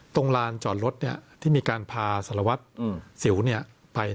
ตรงลานจอดรถที่มีการพาสารวัตรสิวไป